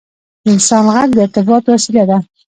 • د انسان ږغ د ارتباط وسیله ده.